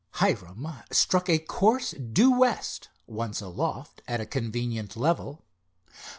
Hiram struck a course due west, once aloft at a convenient level.